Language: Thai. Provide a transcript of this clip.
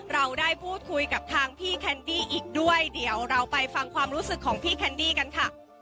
เราได้พูดคุยกับทางพี่แคนดี้อีกด้วยเดี๋ยวเราไปฟังความรู้สึกของพี่แคนดี้กันค่ะ